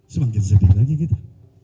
semakin sedih lagi kita